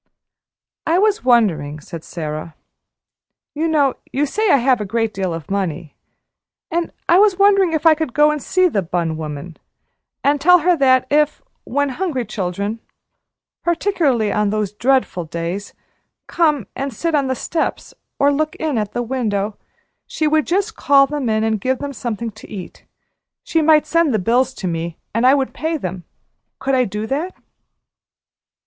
"I was wondering," said Sara, "you know you say I have a great deal of money and I was wondering if I could go and see the bun woman and tell her that if, when hungry children particularly on those dreadful days come and sit on the steps or look in at the window, she would just call them in and give them something to eat, she might send the bills to me and I would pay them could I do that?"